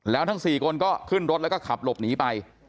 แล้วทั้ง๔คนก็ขึ้นรถแล้วก็ขับหลบหนีไป